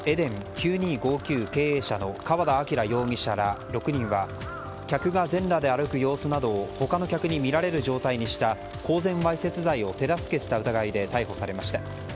九二五九経営者の川田晃容疑者ら６人は客が全裸で歩く様子などを他の客に見られる状態にした公然わいせつ罪を手助けした疑いで逮捕されました。